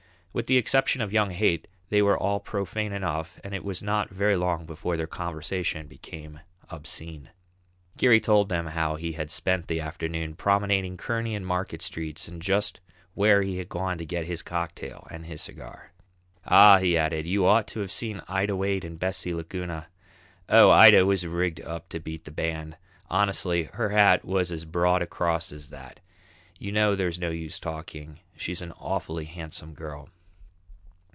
With the exception of young Haight they were all profane enough, and it was not very long before their conversation became obscene. Geary told them how he had spent the afternoon promenading Kearney and Market streets and just where he had gone to get his cocktail and his cigar. "Ah," he added, "you ought to have seen Ida Wade and Bessie Laguna. Oh, Ida was rigged up to beat the band; honestly her hat was as broad across as that. You know there's no use talking, she's an awfully handsome girl."